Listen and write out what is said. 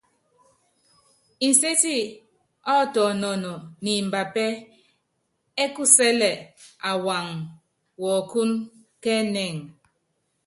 Inséti ɔ́tɔnɔn ni imbapɛ́ ɛ́ kusɛ́l awaaŋ wɔɔkɔ́n kɛ́ ɛnɛ́ŋ.